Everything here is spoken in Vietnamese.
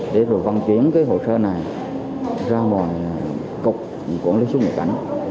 để rồi văn chuyển cái hồ sơ này ra ngoài cục quản lý xuất nhập cảnh